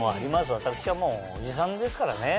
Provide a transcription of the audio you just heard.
私はもうおじさんですからね。